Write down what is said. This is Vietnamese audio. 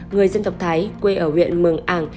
người dân tộc thái quê ở huyện mường ảng